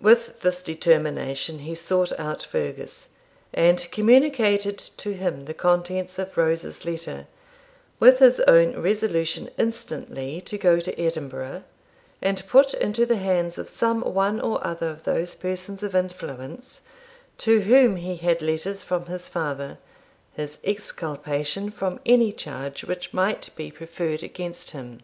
With this determination he sought out Fergus, and communicated to him the contents of Rose's letter, with his own resolution instantly to go to Edinburgh, and put into the hands of some one or other of those persons of influence to whom he had letters from his father his exculpation from any charge which might be preferred against him.